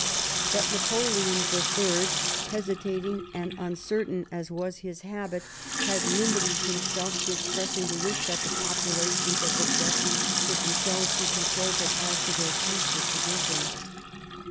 But Napoleon III, hesitating and un certain, as was his habit, had limited himself to expressing the wish that the populations of the Duchies should themselves be consulted as to their future position.